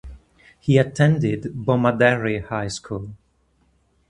He attended Bomaderry High School.